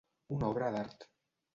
Una obra d'art.